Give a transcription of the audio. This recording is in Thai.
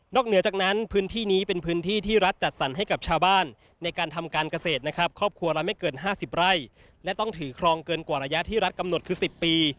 เหนือจากนั้นพื้นที่นี้เป็นพื้นที่ที่รัฐจัดสรรให้กับชาวบ้านในการทำการเกษตรนะครับครอบครัวเราไม่เกิน๕๐ไร่และต้องถือครองเกินกว่าระยะที่รัฐกำหนดคือ๑๐ปี